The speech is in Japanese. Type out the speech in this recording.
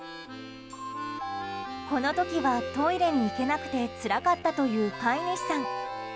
この時は、トイレに行けなくてつらかったという飼い主さん。